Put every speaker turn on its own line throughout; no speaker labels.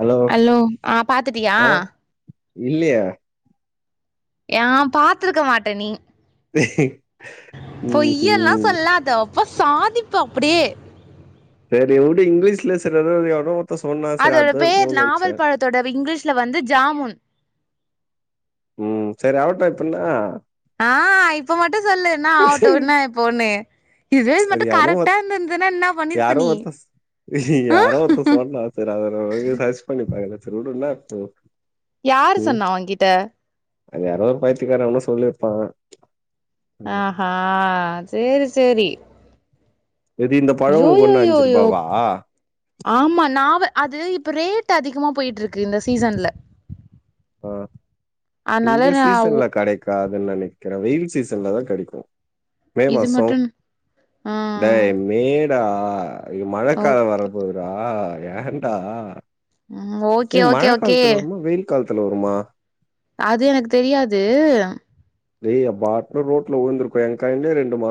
hello
ஆ பாத்துட்டியா
இல்லீயே
ஏ பாத்துருக்க மாட்ட நீ
[unintelligible]
பொய்யெல்லா
ம்ஹும்
சொல்லாத அப்ப சாதிப்ப அப்டியே
செரி வுடு இங்கிலீஷ்ல சிலரது யாரோ ஒருத்தே சொன்னா செரி அதா இருக்குமோனு நென்ச்சே
தொடர் இங்கிலீஷ்ல வந்து ஜாமூன்
ம் செரி அவ ட்ரை பண்ண
ஆ இப்ப மட்டு சொல்லு நா ஆவட்டு விடுனா இப்போனு இதுவே இது
அது
மட்டு
யாரோ
கரெக்டா
ஒருத்
இருந்திருந்துன்னா என்ன பண்ணிருப்ப
யாரோ
நீ
ஒருத்தன்
ஆ
யாரோ ஒருத்தே சொன்னா செரி அத உனக்கு சர்ச் பண்ணி பாக்கல செரி வுடு இன்ன இப்போ
யாரு
ம்
சொன்னா ஒகிட்ட
அது யாரோ ஒரு பைத்திக்கார எவனோ சொல்லிருப்பா
ஆஹ சேரி சேரி
எது இந்த பழோ உனக்கு ஒண்ணு அஞ்சு
யோயோயோயோ
ருபாவா
ஆமா நாவ அது இப்ப ரேட் அதிகமா போயிட்டு இருக்கு இந்த சீசன்ல
அ இந்த
அதனால நா
சீசன்ல கெடைக்காதுன்னு நெனக்கிற வெயில் சீசன்ல தா கெடைக்கு மே
இது
மாசோ
மட்டு ஆ
டைம் மேடா
ஓ
மழக்காலோ வர போதுடா ஏன்டா
ம் ஓகே
ஏ மழ
ஓகே ஓகே
காலத்துல வருமா வெயில் காலத்துல வருமா
அது எனக்கு தெரியாது
டேய் எ பாட்டுனு ரோட்ல உழுந்துருப்ப எ கண்ணு ரெண்டு [unintelligible]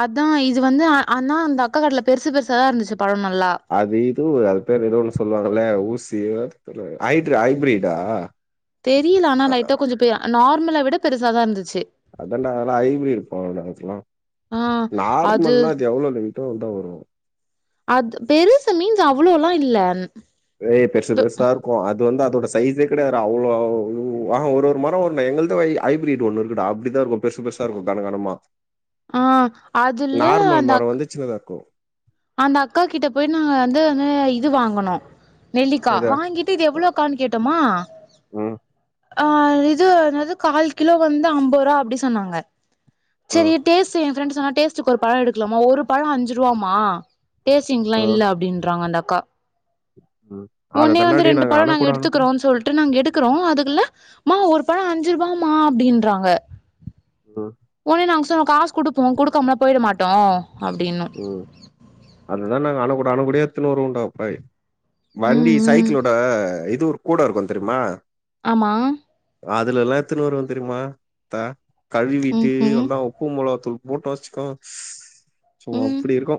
அதா இது வந்து ஆனா அந்த அக்கா கடைல பெருசு பெருசாதா இருந்துச்சு பழம் நல்லா
அது இது அது பேர் எதோ ஒன்னு சொல்வாங்கல ஊசியோ அது பேரு ஹய்ட்ரு ஹய்பீரீட் ஆ
தெரில ஆனா லைட்டா கொஞ்ச பெ நார்மல விட பெருசாதா இருந்துச்சு
அதன்டா அதல்லா ஹைபிரீட்
ஆ
[unintelligible] நார்மல்னா அது எவ்ளோ டு வந்தா வரு
அது பெருசு மீன்ஸ் அவ்ளோல்லா இல்ல
ஏ பெருசு
து
பெருசா அது வந்து அதோட சைஸே கிடையாது டா அவ்ளோ ஒரு ஒரு மரோ வருடா எங்கள்தூ ஹைபிரிட் ஒன்னு இருக்கு டா இப்டி தா இருக்கு பெருசு பெருசா இருக்கு கனகனமா
ஆ அதுல
நார்மல்
அந்த
மரம்
அக்
வந்து சின்னதா இருக்கு
அந்த அக்கா கிட்ட போய் நா வந்து இது வாங்கனு நெல்லிக்கா
எத
வாங்கிட்டு இது எவ்ளோ கானு கேட்டோமா
ம்
இது என்னது கால் கிலோ வந்து அம்பது ரூபா அப்டினு சொன்னாங்க சரி
ம்
டேஸ்ட் எ ஃபிரண்ட் சொன்னா டேஸ்டுக்கு ஒரு பழோ எடுக்கலாமா ஒரு பழோ அஞ்சு ருவாமா டேஸ்டிங்ல
ம்
இல்ல அப்டின்றாங்க அந்த அக்கா
ம் அத
ஒன்னே வந்து
தண்டாடி
ரெண்டு பழோ நாங்க
அணக்கூட அணக்கூட
எடுத்துக்கறோனு சொல் ட்டு நாங்க எடுக்குறோ அதுக்குள்ள மா ஒரு பழோ அஞ்சு ருபா மா அப்டின்றாங்க
ஒ
ஒனே நாங்க சொன்னோ காசு குடுப்போ குடுக்காமலா போய்ட மாட்டோ அப்டின்னோ
ம் அதுதா நாங்க அண்ணகூட அண்ணகூடயா எத்துன்னுவருவோ டா பாய் வண்டி
ம் ம்
சைக்கிளோட இது ஒரு கூட இருக்கு தெரிமா
ஆமா
அதுல எல்லா எத்துன்னு வருவ தெரிமா தா
ம்
கழுவிட்டு
ம்
நல்லா உப்பு மொளா தூள் போட்டா வச்சுக்கா சும்மா
ம்
அப்டி இருக்கு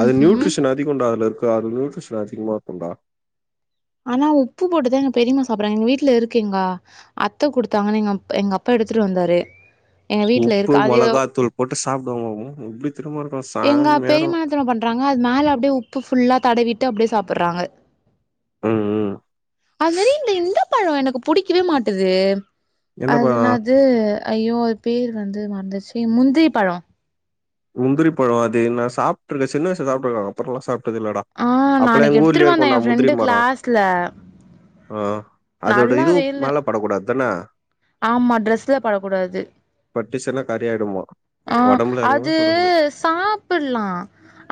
அது
ம்
நியூட்ரிஷனா அதிகோன்டா அதுல இருக்க நியூட்ரிசன் அதிகமா இருக்குன்டா
ஆனா உப்பு போட்டுதா எங்க பெரிமா சாப்பட்றாங்க எங்க வீட்ல இருக்கீங்கா அத்த குடுத்தாங்கன்னு எங்க அப் எங்க அப்பா எடுத்துட்டு வந்தாரு எங்க வீட்ல
உப்பு
இருக்க அது
மொளகாத்தூள் போட்டு சாப்டுவாங்க [unintelligible] ப்டி திருமணகாஸ்
எங்க பெரிமா என்னதெரிமா பண்றாங்க அது மேல அப்டே உப்பு ஃபுல்லா தடவிட்டு அப்டே சாப்பட்றாங்க
ம் ம்
அது மேரி இந்த இந்த பழோ எனக்கு புடிக்கவே மாட்டுது
எந்த பழோ
அதனா வந்து ஐயோ அது பேர் வந்து மறந்திருச்சே முந்திரி பழோ
முந்திரிபழோ அதைய நா சாப்பிட்டுருக்கே சின்ன வயசுல சாப்பிட்டு இருக்கே அப்புறோல்லா சாப்பிட்டது இல்லடா
ஆ
அப்பல்லா
நாளைக்கு
எங்க ஊர்லயே
எடுத்துட்டு வந்தே
இருக்குண்டா
என்
முந்திரி
ஃப்ரெண்டு
மரோ
கிளாஸ்ல
ஆ அதோட இதுவு
நல்லாவே இல்ல
மேல படக் கூடாது தானே
ஆமா டிரெஸ்ல படக்கூடாது
பட்டுச்சுன்னா கரியாயிடுமா
ஆ
ஒடம்புல எங்கயுமே
அது
படக்கூடாது
து சாப்பிடலா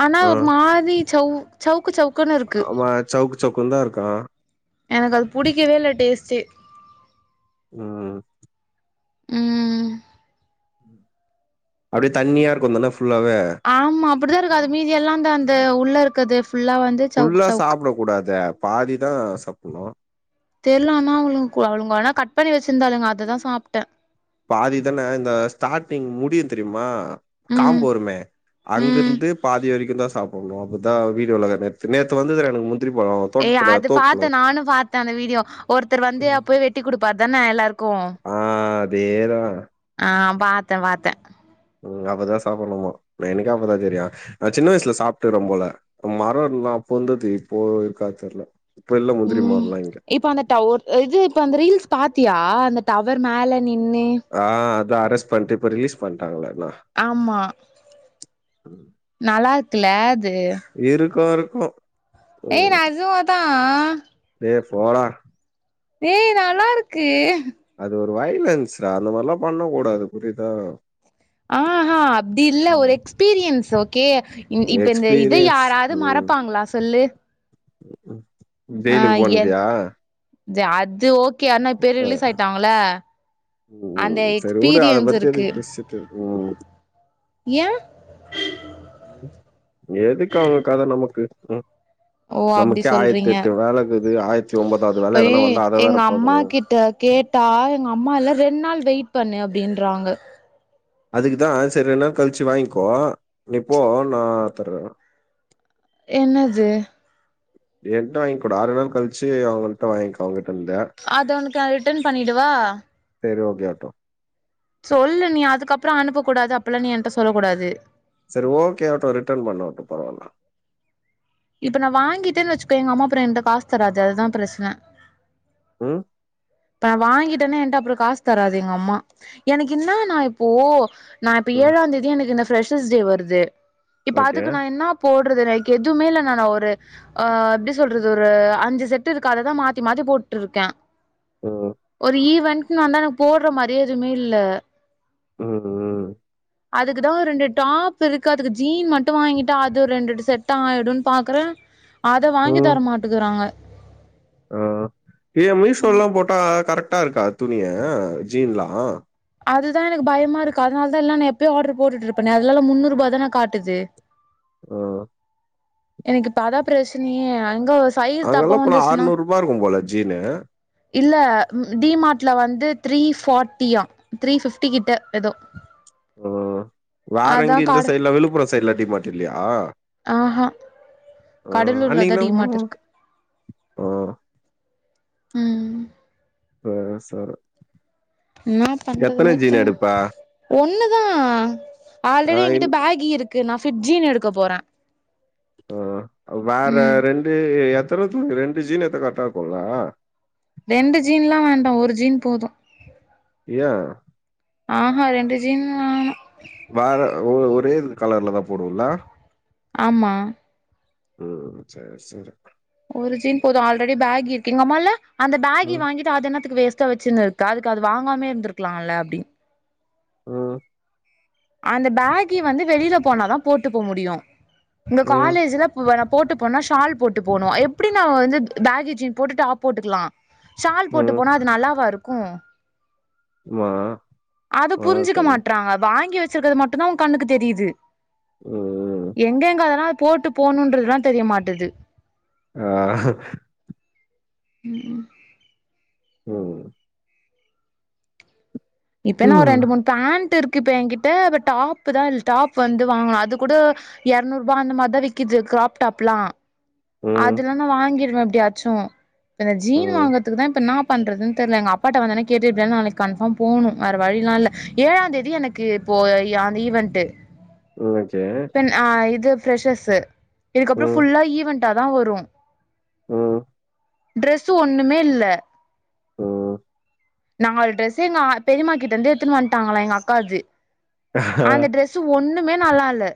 ஆனா
ஆ
ஒரு மாதிரி சவு சவுக்கு சவுக்குன்னு இருக்கு
ஆமா சவுக்கு சவுக்குனு தா இருக்கா
எனக்கு அது புடிக்கவே இல்ல டேஸ்ட்டு
உம்
ஆ
அப்படியே தண்ணியா இருக்குந்தானே ஃபுல்லாவே
ஆமா அப்படிதா இருக்கு அது மீதி எல்லா தா அந்த உள்ள இருக்குது ஃபுல்லா வந்து சவுக்கு
ஃபுல்லா
சவுக்கு
சாப்பிட கூடாது பாதிதா சாப்பிடணு
தெரில ஆனா அவளுக்கு அவளுங்க ஆனா கட் பண்ணி வச்சிருந்தாலுங்க அததா சாப்பிட்டே
பாதிதானே இந்த ஸ்டார்ட்டிங் முடியு தெரியுமா
ம்
காம்பு வறுமே
ம்
அங்கிருந்து பாதி வரைக்கு தா சாப் போனோ அப்பதா வீடியோல நேத்து நேத்து வந்தது எனக்கு முந்திரி பழோ
ஏய்
தோட்டத்துல
அது பாத்தே
தோப்புல
நானு பாத்தே அந்த வீடியோ ஒருத்தர் வந்து
ம்
அப் போய் வெட்டி குடுப்பார் தானே எல்லாருக்கு
ஆ அதே தா
ஆ பாத்தே பாத்தே
உம் அப்பதா சாப்பிடணுமா எனக்கே அப்பதா தெரியு நா சின்ன வயசுல சாப்பிட்டுடறன் போல மரோ இருந்தது அப்போ இருந்தது இப்போ இருக்கா தெரில
உம் இப்ப அந்த டவர் இது இப்போ அந்த ரீல்ஸ் பாத்தியா அந்த டவர் மேலே நின்னு
ஆ அதா அரஸ் பண்ட்டு இப்ப ரிலீஸ் பண்ணிட்டாங்களே அதா
ஆமா நல்லா இருக்குல அது
இருக்கு இருக்கு
ஏ நெஜமாதா
டேய் போடா
ஏ நல்லா இருக்கு
அது ஒரு வைலன்ஸ் அந்த மாரிலா பண்ண கூடாது புரியுதா
ஆ ஆ அப்படி இல்ல ஒரு
ம்
எக்ஸ்பீரியன்ஸ் ஓக்கே இப்ப இந்த இதை
எக்ஸ்பீரியன்ஸ்
யாராவது
ம்
மறப்பாங்களா சொல்லு ஆ
ஜெயிலுக்கு
ய
போனதியா
அது ஓ கி அண்ணா இப்பரு
அ
ரிலீஸ் ஆயிட்டாங்கள
ம் ம்
அந்த
சரி வுடு அத
எக்ஸ்பீரியன்ஸ்
பத்தி
இருக்கு
[unintelligible]
ஏ
எதுக்கு அவங்க கத நமக்கு உம்
ஓ அப்டி
நமக்கே ஆயிரத்தி
சொல்றீங்க
எட்டு வேலையிக்குது ஆயிரத்தி ஒன்பதாவது வேல எதனா வந்தா அத வேற பாக்கணு
டா கே ட்டா எங்க அம்மா எல்லா ரெண்டு நாள் வெயிட் பண்ணு அப்டின்றாங்க
அதுக்கு தா சரி ரென்னா கழிச்சி வாங்கிக்கோ நீப்போ நா தர்றேனா
என்னது
என்ட்ட வாங்க்கோ டா ஆறு நாள் கழிச்சு அவங்கள்ட்ட வாங்கிக்கோ அவங்ககிட்ட இருந்து
அத உனக்கு அ ரிட்டன் பண்ணிடவா
செரி ஓகே ஆவ்டோ
சொல்லு நீ அதுக்கப்பறோ அனுப்ப கூடாது அப்பில்லா நீ என்ட்ட சொல்ல கூடாது
செரி ஓகே ஆடோ ரிட்டன் பண்ணடோ பரவால்ல
இப்ப நா வாங்கிட்டனு வெச்சுக்கோயே எங்க அம்மாப்பறோ என்ட்ட காசு தராது அதுதா பிரச்சன
ம்
இப்ப நா வாங்கிட்டனா என்ட்ட அப்றோ காசு தராது எங்க அம்மா எனக்கு இன்னானா இப்போ நா இப்ப
ம்
ஏழாந் தேதி எனக்கு இந்த ஃப்ரெஷர்ஸ் டே வர்து இப்ப
ஓகே
அதுக்கு நா என்னா போட்றது லைக்கு எதுவுமே இல்ல நானா ஒரு ஆ எப்டி சொல்றது ஒரு அஞ்சு செட்டு இருக்கு அததா மாத்தி மாத்தி போட்டுட்டு இருக்கே
ம்
ஒரு ஈவென்ட்ன் வந்தா எனக்கு போட்ற மாரியே எதுவுமே இல்ல
ஒஹோ
அதுக்குதா ரெண்டு டாப் இருக்கு அதுக்கு ஜீன் மட்டு வாங்கிட்டா அது ஒரு ரெண்ரெண்டு செட்டா ஆய்ருனு பாக்குற அத வாங்கி தர மாட்டுக்குறாங்க
ஓ ஏ மீஷோ லலா போட்டா கரெக்டா இருக்கா துணியே ஜீன்லா
அதுதா எனக்கு பயமா இருக்கு அதனால தா நா எப்பயோ ஆடர் போட்டுட்ருப்பேனே அதுலலா முன்னூறு ரூபா தான காட்டுது
ஓ
எனக்கு இப்ப அதா பிரச்சனயே அங்க [unintelligible] தப்பா
அங்கெலா போனா
வந்துச்சுன்னா
ஆற்நூ ரூபா இருக்கு போல ஜீனு
இல்ல டிமாட்ல வந்து த்ரீ ஃபாட்டியா த்ரீ ஃபிப்டி கிட்ட எதோ
ஓ வேற எங்கயு இந்த
காடு
சைடு்ல விழுப்புரோ சைட்ல டிமாட் இல்லயா
ஆஹா
ஆ அன்னிகி
கடலூர்லதா டிமார்ட்
நம்மோ
இருக்கு
ஓ
ம்
ஓ செரி
என்னா பண்றதுனே தெர்
எடுப்ப
ஒண்ணுதா
ஆ
ஆல்ரெடி
இன்
என்கிட்ட பேகி இருக் கு நா ஃபிட் ஜீன் எடுக்க போற
உ வேற
ம்
ரெண்டு எத்தன துணி ரெண்டு ஜீன் எட்தா கர்ட்டா இருக்கும்ல
ரெண்டு ஜீன்ல்லா வேண்டா ஒரு ஜீன் போது
ஏ
ஆஹா ரெண்டு ஜீன்
வேற ஓ ஒரேரு கலர்ல தா போடுவல
ஆமா
ம் சேர் சேரி
ஒரு ஜீன் போது ஆல்ரெடி பேகி இருக்கு எங்க அம்மா ல்ல அந்த பேகி
ம்
வாங்கிட் டு அது என்னத்துக்கு வேஸ்டா வெச்சுனுருக்க அதுக்கு அது வாங்காமே இருந்துருக்கலாம்ல அப்டின்
ம்
அந்த பேகி வந்து வெளில போனாதா போட்டு போ முடியு இங்க
ம்
காலேஜ்ல வேனா போட்டு போனா ஷால் போட்டு போனு எப்டி நா வந்து பேகி ஜீன் போட்டு டாப் போட்டுக்ளா ஷால் போட்டு
ம்
போனா அது நல்லாவா இருக்கு
மா
அது புரிஞ்சுக்க
வணக்கங்க
மாட்றாங்க வாங்கி வெச் சுக்கறது மட்டுந்தா உ கண்ணுக்கு தெரியுது
ம்
எங்க எங்க அதனா போட்டு போணுன்றதலா தெரியமாட்டது
ஆ
ம் ம்
ம்
இப்பென்னா ஒரு
ம்
ரெண்டு மூன் பேண்ட் இருக்கு இப்ப என்கிட்ட இப்ப டாப்தா இல் டாப் வந்து வாங்லா அது கூட எரநூறுருபா அந்த மார்தா விக்கிது கிராப் டாப்லா
ம்
அதுலா நா வாங்கிருவே எப்டியாச்சு இப்ப இந்த ஜீன்
ம்
வாங்குறத்துக்குதா இப்பன்னாப் பண்றது தெர்ல எங்கப்பாட்ட வந்தோனே கேட்டு எப்டியாது நாளைக்கி கன்ஃபர்ம் போனு வேறு வழில்லால்ல ஏழாந்தேதி எனக்கு இப்போ அந்த ஈவென்ட்டு
ரிவெஜ்ஜு
அ இது ஃப்ரஸ்ஸர்ஸு இதுக்கப்புறோ
ம்
ஃபுல்லா ஈவென்ட்டாதா வரு
ம்
ட்ரெஸ்ஸு ஒன்னுமேல்ல
ம்
நால் ட்ரெஸ்ஸு எங்க அ பெரிம்மாகிட்டந்து எத்துனு வன்ட்டாங்ளா எங்க அக்காது அந்த ட்ரெஸ் ஸு ஒண்ணுமே நல்லால்ல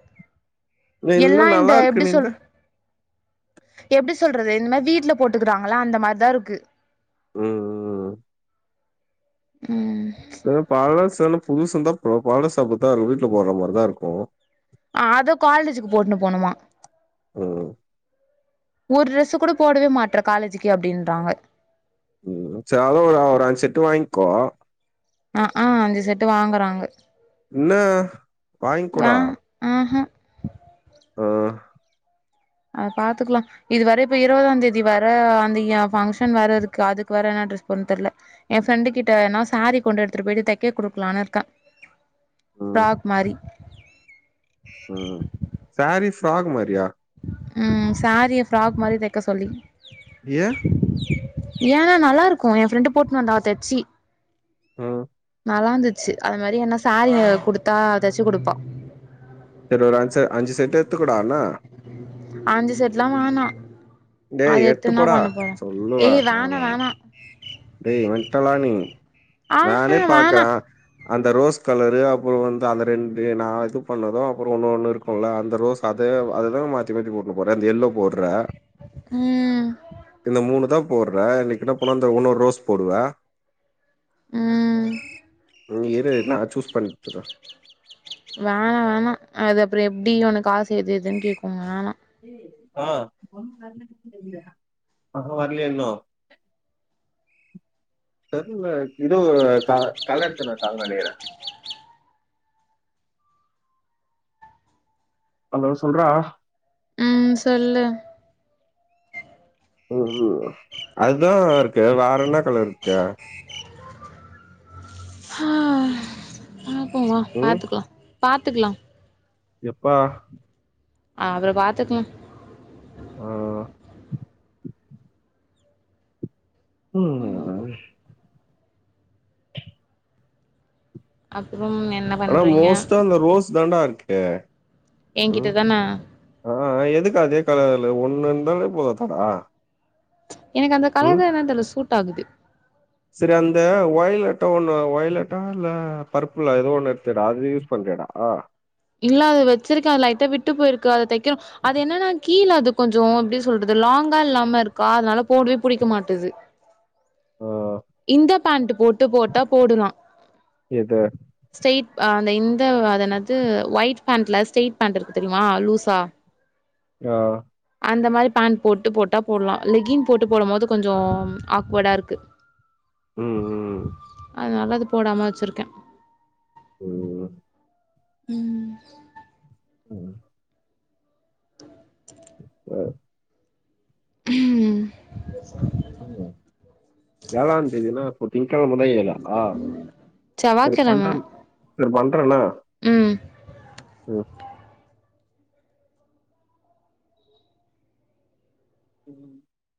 இன்னு
எல்லா இந்த
நல்லா இருக்கு
எப்டி
நீ இந்த
சொல்ற எப்டி சொல்றது இந்த மாரி வீட்ல போட்டுக்கிறாங்ள அந்த மார்தாருக்கு
ம் ம்
ம்
ம் பழசென்ன புதுசுந்தா பழசு அப்டிதாருக்கு வீட்ல போற மாரிதாருக்கு
ஆது காலேஜுக்கு போட்னு போணுமா
உம்
ஒரு ட்ரெஸ் கூட போடவே மாட்ற காலேஜிக்கி அப்டின்றாங்க
ம் ச்ச அளவோட ஒரு அஞ்சு செட்டு வாங்க்கோ
அங்க்கா அஞ்சு செட்டு வாங்குறாங்க
என்னா வாங்க்கொடே
ஆஹ்ஹா
அஹ்
அ பாத்துக்லா இது வர இப்ப இருபதா தேதி வேர அந்த எ ஃபங்ஷன் வேற இருக்கு அதுக்கு வேற என்ன ட்ரெஸ் போடுறதுனு தெர்ல எ ஃப்ரெண்டு கிட்ட வேனா சாரீ கொண்டு எடுத்துட் போய்ட்டு தைக்க குடுக்கலானு இருக்கே
ம்
ஃப்ராக் மாரி
ம் சாரீ ஃப்ராக் மாரியா
ம் சாரீய ஃப்ராக் மாரி தெக்க சொல்லி
ஏ
ஏ நல்லாருக்கு எ ஃப்ரெண்டு போட்னு வந்தா அவ தெச்சி
ம்
நல்லாந்துச்சு அது மாரி என்ன சாரீய குடுத்தா தச்சு குடுப்பா
சரி ஒரு அஞ்சு ச அஞ்சு செட்டு எத்துகொடான்ன
அஞ்சு செட்லா வேணா அது
டேய்
எடுத்து இன்னா
எத்துக்கோடா
பண்ண போறே
சொல்லுவ
ஏய் வேணா
ஆனா
வேணா
டேய் மெண்ட்டலா நீ
ஆஹா
நானே
வேணா
பாக்குறே அந்த ரோஸ் கலரு அப்புற வந்து அந்த ரெண்டு நா இது பண்ணது அப்புறோ இன்னொண்ணு இருக் போல அந்த ரோஸ் அதே அததா மாத்தி மாத்தி போட்டு போற அந்த எல்லோ போட்ற
ம்
இந்த மூணுதா போட்ற இன்னக்கென்ன போனா இந்த ஒன்னொரு ரோஸ் போடுவ
ம்
ம் இரு நா சூஸ் பண்ட்டு சொல்றே
வேணா வேணா அது அப்றோ எப்டி ஒனக் காசு எது எதுன் கேப்பாங்க வேணா
அ அஹ வரலியே இன்னு தெர்ல இதோ க கள எடுத்துனு இருக்காங்கனு நெனக்றே அலோ சொல்றா
ம்ம் சொல்லு
ம் அதுதாருக்கு வேறென்ன கலருக்கி
பாப்போமா
ம்
பாத்துக்லாம் பாத்துக்லாம்
எப்பா
அபுறோ பாத்துக்னு
ஹ ம் அஸ்
அப்புறம் என்
ஆனா மோஸ்டா இந்த ரோஸ் தாண்டா இருக்கு
என்கிட்ட
ம்
தான
ஆ எதுக்கு அதே கலர்ல ஒண்ணு இருந்தாலே போதா தாடா
எனக்கு அந்த கலர் தா என்னனு தெர்ல சூட் ஆகுது
சரி அந்த ஒயலட்டா ஒண்ணு ஒயலட்டா இல்ல பர்பிளா ஏதோ ஒண்ணு எடுத்தடா அது யூஸ் பண்றியாடா
இல்ல அது வச்சிருக்க அது லைட்டா விட்டு போயிருக்கு அத தைக்கணு அது என்னனா கீழ அது கொஞ்சோ எப்படி சொல்றது லாங்கா இல்லாம இருக்கா அதனால போடவே பிடிக்க மாட்டிங்து
ஆ
இந்த பேண்டு போட்டு போட்டா போடலா
எது
ஸ்ரேட் அந்த இந்த அதுதேன்னது ஒயிட் பேண்ல ஸ்ட்ரேட் பேண்ட் இருக்கு தெரியுமா லூஸா
ஆ
அந்த மாரி பேண்டு போட்டு போட்டா போடலா லெகின் போட்டு போடும் போது கொஞ்சோ ஆக்வர்டா இருக்கு
ம் ம்
அதுலான அது போடாம வச்சுருக்கே
ம்
ம்
ஹ
ஹ்ம்
ம் ஏழ ந்தேதினா அப்போ திங்க்கழம தா ஏழா
செவ்வாக்கிழம
செர் பண்றேண்ணா ம் ம்